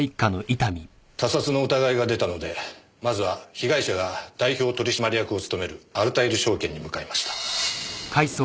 他殺の疑いが出たのでまずは被害者が代表取締役を務めるアルタイル証券に向かいました。